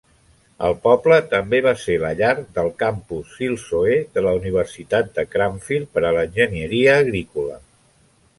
El poble també va ser la llar del campus Silsoe de la Universitat de Cranfield per a l'enginyeria agrícola.